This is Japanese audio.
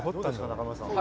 中丸さん。